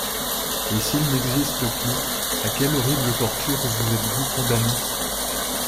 Et s’il n’existe plus, à quelle horrible torture vous êtes-vous condamnée ?